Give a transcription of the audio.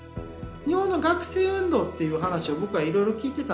日本の学生運動っていう話を僕はいろいろ聞いてたんですね